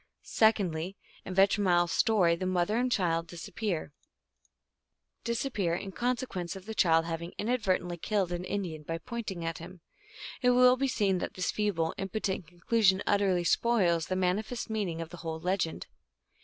Secondly, in Vetromile s story the mother and child disappear 17 258 THE ALGONQUIN LEGENDS. in consequence of the child having inadvertently killed an Indian by pointing at him. It will be seen that this feeble, impotent conclusion utterly spoils the man ifest meaning of the whole legend.